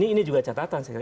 ini juga catatan saya